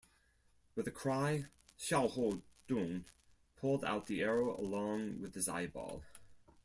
With a cry, Xiahou Dun pulled out the arrow along with his eyeball.